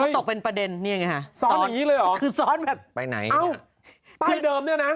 เฮ้ยซ้อนอย่างนี้เลยหรอไปไหนเนี่ยป้ายเดิมเนี่ยนะ